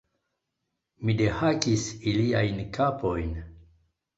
Mi dehakis iliajn kapojn!